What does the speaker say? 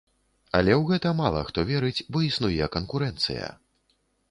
Але ў гэта мала хто верыць, бо існуе канкурэнцыя.